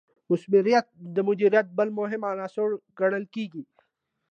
مثمریت د مدیریت بل مهم عنصر ګڼل کیږي.